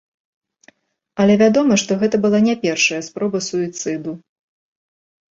Але вядома, што гэта была не першая спроба суіцыду.